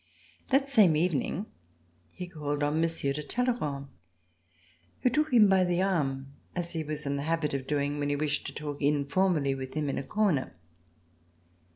That same evening he called on Monsieur de Talleyrand, who took him by the arm, as he was in the habit of doing when he wished to talk Informally with him In a corner.